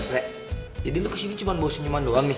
re jadi lo kesini cuma bawa senyuman doang nih